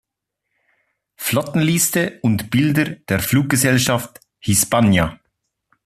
Flottenliste und Bilder der Fluggesellschaft "Hispania"